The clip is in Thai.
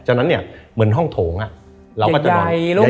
ฉะนั้นเนี่ยเหมือนห้องโถงเราก็จะนอน